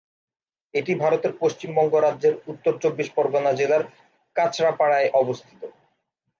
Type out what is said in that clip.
এটি ভারতের পশ্চিমবঙ্গ রাজ্যের উত্তর চব্বিশ পরগণা জেলার কাঁচড়াপাড়ায় অবস্থিত।